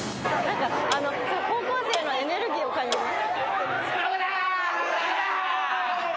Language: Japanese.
高校生のエネルギーを感じます。